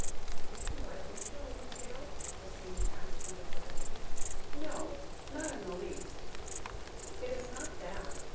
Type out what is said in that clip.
"Is he like Mr. Redesdale?" Christina asked sympathetically. "No, not in the least it is not that.